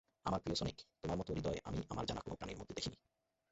আমার প্রিয় সনিক, তোমার মত হৃদয় আমি আমার জানা কোন প্রাণীর মধ্যে দেখিনি।